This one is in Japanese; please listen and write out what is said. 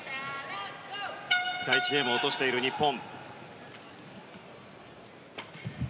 第１ゲームを落としている日本。